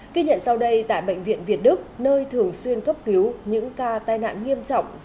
ghi nhận sau đây tại bệnh viện việt đức nơi thường xuyên cấp cứu những ca tai nạn nghiêm trọng